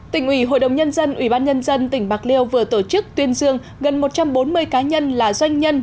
tỉnh ủy hội đồng nhân dân ủy ban nhân dân tỉnh bạc liêu vừa tổ chức tuyên dương gần một trăm bốn mươi cá nhân là doanh nhân